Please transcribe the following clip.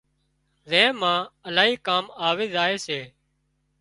زين مان الاهي ڪام آوِي زائي سي